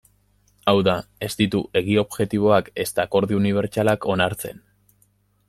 Hau da, ez ditu egi objektiboak ezta akordio unibertsalak onartzen.